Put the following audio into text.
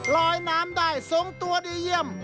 ลอยน้ำได้ทรงตัวดีเยี่ยม